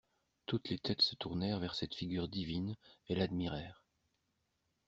Toutes les têtes se tournèrent vers cette figure divine et l'admirèrent.